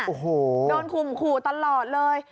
โอ้โหโดนข่มขู่ตลอดเลย